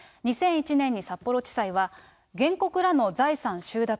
２００１年に札幌地裁は、原告らの財産収奪、